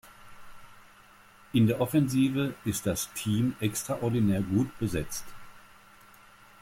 In der Offensive ist das Team extraordinär gut besetzt.